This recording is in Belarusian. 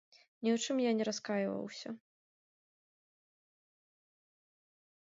Ні ў чым я не раскайваўся.